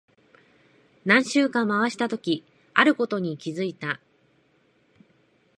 何周か回したとき、あることに気づいた。